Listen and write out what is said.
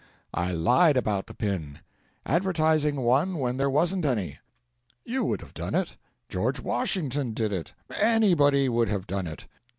I lied about the pin advertising one when there wasn't any. You would have done it; George Washington did it, anybody would have done it.